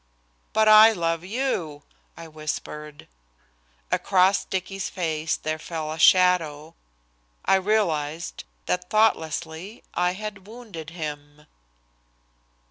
"But I love YOU," I whispered. Across Dicky's face there fell a shadow. I realized that thoughtlessly I had wounded him.